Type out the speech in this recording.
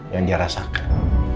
yang dia rasakan